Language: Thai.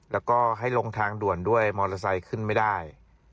แล้วก็ให้ลงทางด่วนด้วยมอเตอร์ไซค์ขึ้นไม่ได้